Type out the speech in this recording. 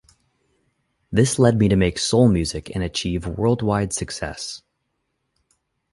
This led me to make soul music and achieve worldwide success.